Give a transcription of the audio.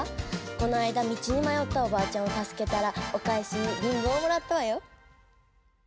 この間道にまよったおばあちゃんをたすけたらおかえしにリンゴをもらったわよ。